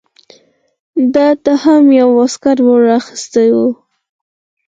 ده ته هم یو واسکټ ور اغوستی و.